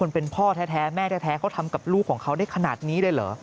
เป็นพ่อแท้แม่แท้เขาทำกับลูกของเขาได้ขนาดนี้เลยเหรอ